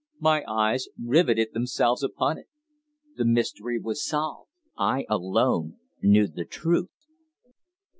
My eyes riveted themselves upon it. The mystery was solved. I alone knew the truth!